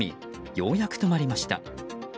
ようやく止まりました。